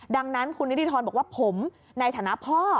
ดังนั้นคุณนิติธรบอกว่าผมในฐานะพ่อ